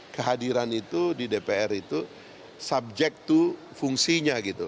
kehadiran itu di dpr itu subject to fungsinya gitu